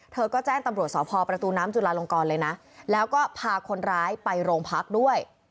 เธอก็แจ้งตำรวจสพประตูน้ำจุลาลงกรเลยนะแล้วก็พาคนร้ายไปโรงพักด้วย